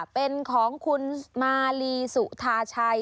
เป็นของคุณมาลีสุธาชัย